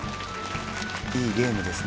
いいゲームですね